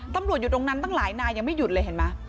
ตำรวจอยู่ตรงนั้นตั้งหลายนายยังไม่หยุดเลยเห็นไหม